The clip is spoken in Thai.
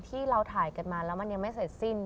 ที่เราถ่ายกันมาแล้วมันยังไม่เสร็จสิ้น